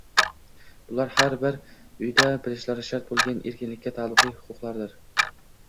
Bular har bir uyda bilishlari shart bo‘lgan erkinlikka taalluqli huquqlardir